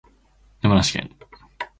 山梨県道志村